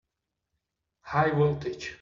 High voltage!